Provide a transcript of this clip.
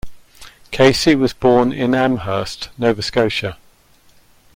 Casey was born in Amherst, Nova Scotia.